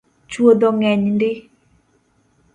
Chwodho ng’eny ndii